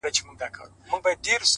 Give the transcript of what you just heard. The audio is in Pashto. پرمختګ له لومړي ګامه پیلېږي!.